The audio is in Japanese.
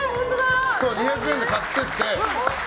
２００円で買っていって。